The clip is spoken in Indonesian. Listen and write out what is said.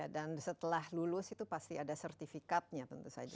dan setelah lulus itu pasti ada sertifikatnya tentu saja